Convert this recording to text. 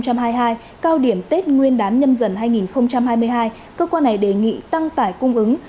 cao điểm tết nguyên đán nhâm dần hai nghìn hai mươi hai cơ quan này đề nghị tăng tải cung ứng